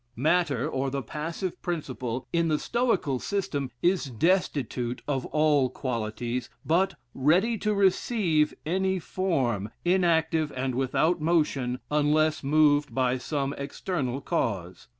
Matter, or the passive principle, in the Stoical system, is destitute of all qualities, but ready to receive any form, inactive, and without motion, unless moved by some external cause.